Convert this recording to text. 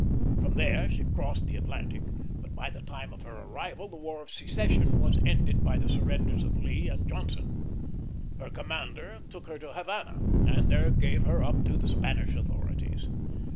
From there she crossed the Atlantic; but by the time of her arrival the War of Secession was ended by the surrenders of Lee and Johnston. Her commander took her to Havana, and there gave her up to the Spanish authorities.